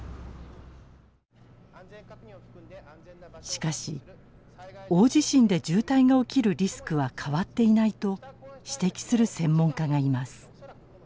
しかし大地震で渋滞が起きるリスクは変わっていないと指摘する専門家がいます。